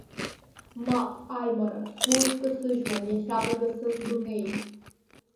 Мап, Аимара, сгәы уцәкасыжьуам, иахьалагаз са сдунеи.